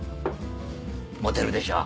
モテるでしょう？